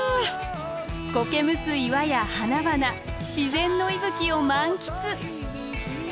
こけむす岩や花々自然の息吹を満喫。